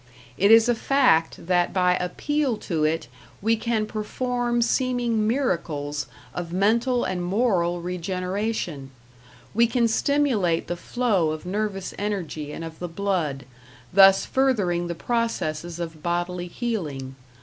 It is a fact that by appeal to it we can perform seeming miracles of mental and moral regeneration; we can stimulate the flow of nervous energy and of the blood, thus furthering the processes of bodily healing.